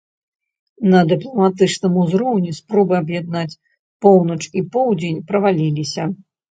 На дыпламатычным узроўні спробы аб'яднаць поўнач і поўдзень праваліліся.